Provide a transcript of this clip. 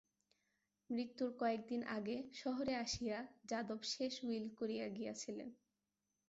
মৃত্যুর কয়েকদিন আগে শহরে আসিয়া যাদব শেষ উইল করিয়া গিয়াছিলেন।